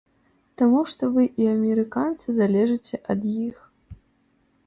Таму што вы і амерыканцы залежыце ад іх.